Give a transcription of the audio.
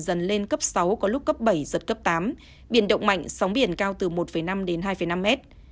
dần lên cấp sáu có lúc cấp bảy giật cấp tám biển động mạnh sóng biển cao từ một năm đến hai năm mét